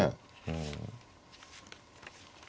うん。